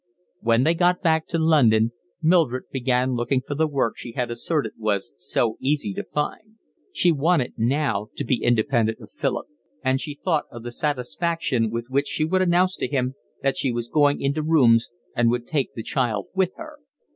When they got back to London Mildred began looking for the work she had asserted was so easy to find; she wanted now to be independent of Philip; and she thought of the satisfaction with which she would announce to him that she was going into rooms and would take the child with her.